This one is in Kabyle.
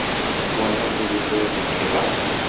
Twalaḍ tiliẓri deg yiḍ-a?